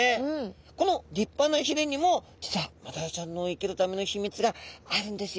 この立派なひれにも実はマダイちゃんの生きるための秘密があるんですよ。